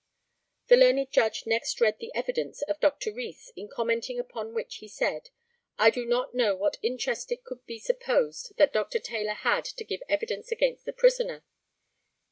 [The learned Judge next read the evidence of Dr. Rees, in commenting upon which he said: I do not know what interest it could be supposed that Dr. Taylor had to give evidence against the prisoner.